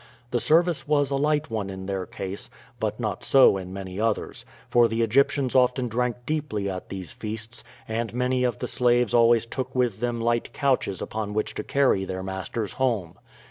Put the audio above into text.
The service was a light one in their case; but not so in many others, for the Egyptians often drank deeply at these feasts, and many of the slaves always took with them light couches upon which to carry their masters home.